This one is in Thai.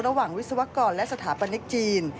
ระหว่างวิศวกรและสถาปนิกจีน